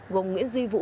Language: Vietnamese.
gồm nguyễn duy vũ